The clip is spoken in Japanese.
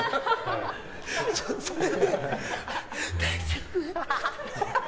それで、大丈夫？